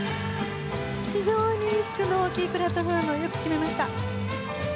非常にリスクの大きいプラットフォームよく決めました。